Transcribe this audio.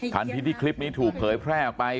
ทันทีที่คลิปนี้ถูกเผยแพร่ออกไป